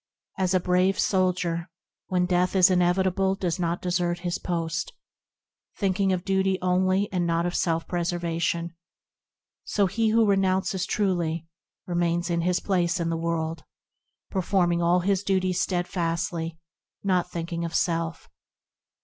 As a brave soldier, when death is inevitable does not desert his post, Thinking of duty only, and not of self preservation, So he who renounces truely, remains in his place in the world, Performing all his duties steadfastly, not thinking of self.